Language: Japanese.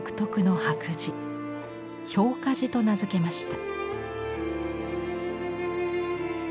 「氷華磁」と名付けました。